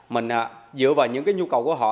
mình dựa vào những nhu cầu của họ